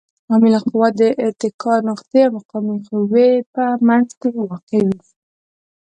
عامله قوه د اتکا نقطې او مقاومې قوې په منځ کې واقع وي.